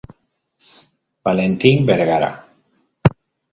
Valentín Vergara.